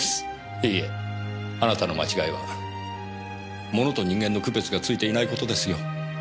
いいえあなたの間違いは物と人間の区別がついていないことですよ。